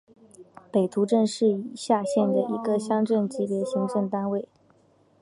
北陡镇是是下辖的一个乡镇级行政单位。